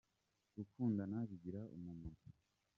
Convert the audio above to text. Gukundana bigira umumaro.